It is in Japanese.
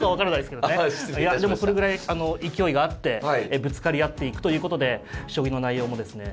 でもそれぐらい勢いがあってぶつかり合っていくということで将棋の内容もですね